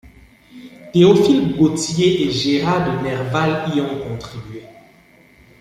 Théophile Gautier et Gérard de Nerval y ont contribué.